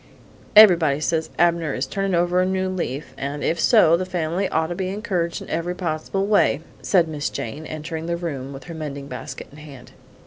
"Everybody says Abner is turning over a new leaf, and if so, the family'd ought to be encouraged every possible way," said Miss Jane, entering the room with her mending basket in hand.